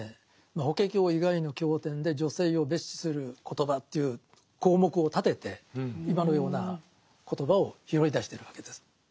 「法華経」以外の経典で女性を蔑視する言葉という項目を立てて今のような言葉を拾い出してるわけです。